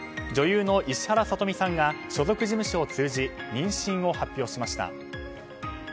女優の石原さとみさんが所属事務所を通じ妊娠を発表しました。